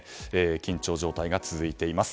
緊張状態が続いています。